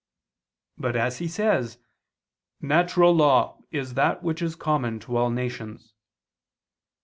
But as he says, "natural law is that which is common to all nations."